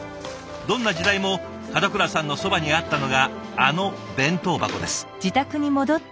どんな時代も門倉さんのそばにあったのがあの弁当箱です。